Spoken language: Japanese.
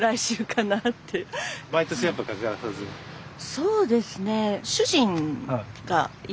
そうですね。